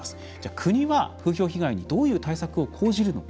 国は、風評被害にどういう対策を講じるのか。